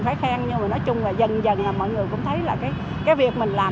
phải khen nhưng mà nói chung là dần dần mọi người cũng thấy là cái việc mình làm